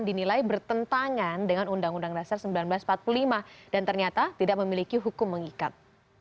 dinilai bertentangan dengan undang undang dasar seribu sembilan ratus empat puluh lima dan ternyata tidak memiliki hukum mengikat